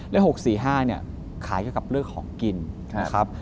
เลข๖๔๕เนี่ยขายกับเรื่องของกินครับ